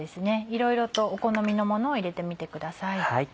いろいろとお好みのものを入れてみてください。